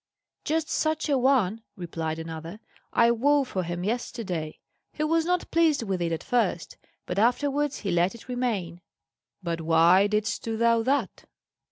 "Just such a one," replied another, "I wove for him yesterday. He was not pleased with it at first, but afterwards he let it remain." "But why didst thou that?"